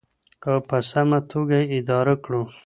او په سمه توګه یې ادا کړو.